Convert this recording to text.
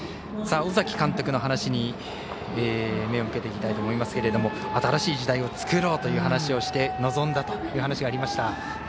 尾崎監督の話に目を向けていきたいと思いますが新しい時代をつくろうという話をして、臨んだという話がありました。